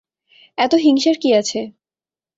এতে হিংসার কী আছে?